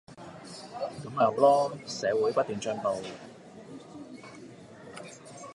噉咪好囉，社會不斷進步